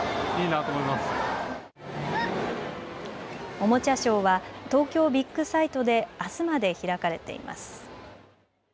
おもちゃショーは東京ビッグサイトであすまで開かれています。